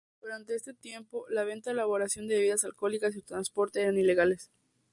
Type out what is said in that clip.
Durante este tiempo, la venta, elaboración de bebidas alcohólicas y su transporte eran ilegales.